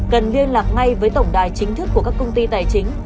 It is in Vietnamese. cần liên lạc ngay với tổng đài chính thức của các công ty tài chính